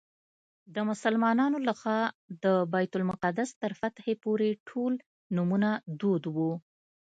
د مسلمانانو له خوا د بیت المقدس تر فتحې پورې ټول نومونه دود وو.